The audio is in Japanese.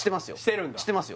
してますよ